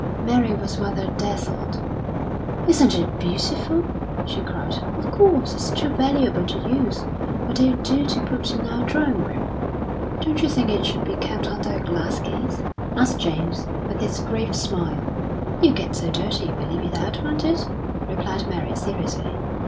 Mary was rather dazzled. "Isn't it beautiful!" she cried, "Of course, it's too valuable to use; but it'll do to put in our drawing room." "Don't you think it should be kept under a glass case?" asked James, with his grave smile. "It'll get so dirty if we leave it out, won't it?" replied Mary, seriously.